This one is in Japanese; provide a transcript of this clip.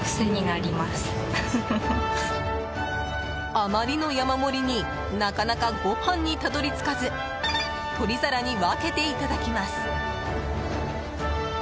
あまりの山盛りになかなかご飯にたどり着かず取り皿に分けていただきます。